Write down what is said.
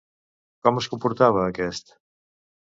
Com es comportava aquest?